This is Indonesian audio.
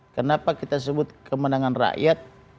kenapa kita sebut kemenangan rakyat